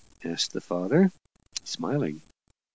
asked the father, smiling.